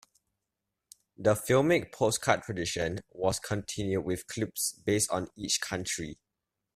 The filmic postcard tradition was continued with clips based on each country.